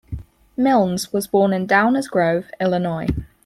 Milnes was born in Downers Grove, Illinois.